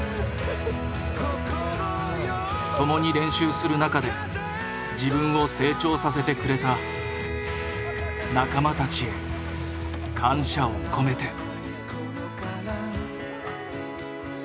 共に練習する中で自分を成長させてくれた仲間たちへ感謝を込めて。